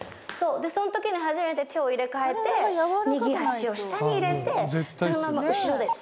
そのときに初めて手を入れ替えて右足を下に入れてそのまま後ろです。